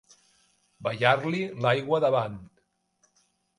Ballar-li l'aigua davant.